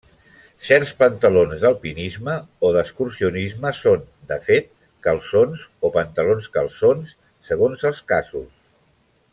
Certs pantalons d'alpinisme o d'excursionisme són, de fet, calçons o pantalons-calçons, segons els casos.